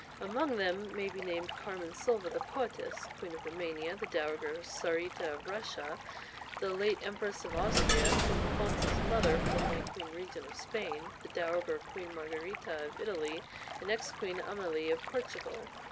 Among them may be named Carmen Sylva, the poetess Queen of Roumania, the Dowager Tsaritsa of Russia, the late Empress of Austria, King Alfonso's mother, formerly Queen Regent of Spain, the Dowager Queen Margherita of Italy and ex Queen Amélie of Portugal.